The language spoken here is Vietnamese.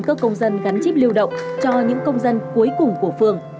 các phòng chống dịch chắc chắn chip lưu động cho những công dân cuối cùng của phường